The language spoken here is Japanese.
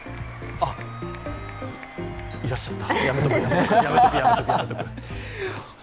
あ、いらっしゃった。